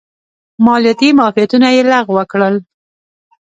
مالیاتي معافیتونه یې لغوه کړل.